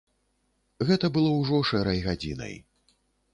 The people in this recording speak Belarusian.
Гэта было ўжо шэрай гадзінай.